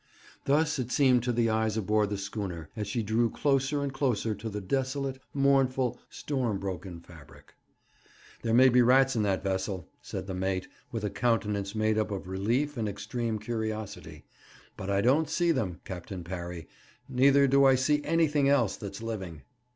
Thus it seemed to the eyes aboard the schooner as she drew closer and closer to the desolate, mournful, storm broken fabric. 'There may be rats in that vessel,' said the mate, with a countenance made up of relief and extreme curiosity; 'but I don't see them, Captain Parry, neither do I see anything else that's living.'